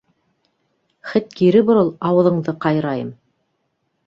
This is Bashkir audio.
Хет кире борол, ауыҙыңды ҡайырайым!